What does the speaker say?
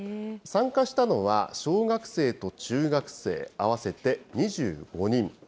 参加したのは、小学生と中学生、合わせて２５人。